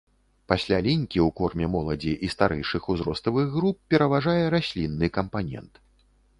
Пасля лінькі ў корме моладзі і старэйшых узроставых груп пераважае раслінны кампанент.